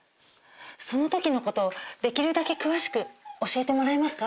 そのときのことをできるだけ詳しく教えてもらえますか？